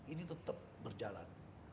ini tetap berjalan